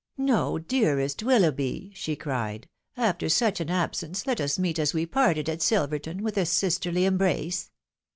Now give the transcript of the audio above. " No, dearest WiUoughby !" she cried, " after such an absence, let us meet as we parted at SUverton, with a sisterly embrace